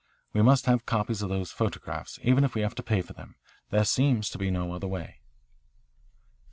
We must have copies of those photographs, even if we have to pay for them. There seems to be no other way."